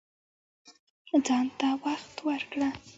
ځان ته وخت ورکړه